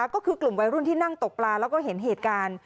ก็คือกลุ่มวัยรุ่นที่นั่งตกปลาแล้วก็เห็นเหตุการณ์